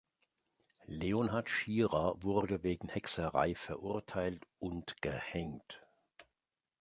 Leonhard Sihra wurde wegen Hexerei verurteilt und gehängt.